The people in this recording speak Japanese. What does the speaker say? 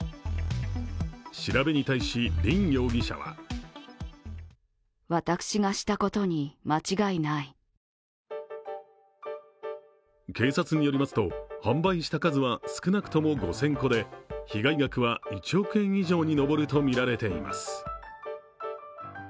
調べに対し、林容疑者は警察によりますと、販売した数は少なくとも５０００個で被害額は１億円以上に上るとみられています。